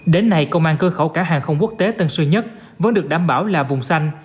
đến nay công an cơ khẩu cả hàng không quốc tế tân sơn nhất vẫn được đảm bảo là vùng xanh